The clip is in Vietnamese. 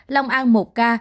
lòng an một ca